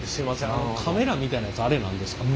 あのカメラみたいなやつあれ何ですか？